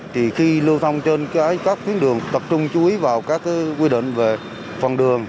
thì khi lưu thông trên các tuyến đường tập trung chú ý vào các quy định về phần đường